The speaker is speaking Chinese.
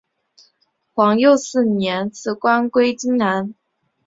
皇佑四年辞官归荆南。